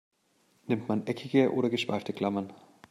Nimmt man eckige oder geschweifte Klammern?